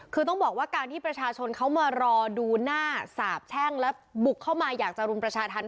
คือต้องบอกว่าการที่ประชาชนเขามารอดูหน้าสาบแช่งและบุกเข้ามาอยากจะรุมประชาธรรม